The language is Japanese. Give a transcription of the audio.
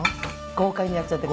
豪快にやっちゃって。